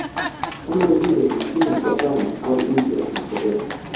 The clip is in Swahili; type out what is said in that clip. Kama vile Uchina na Japani au India na Korea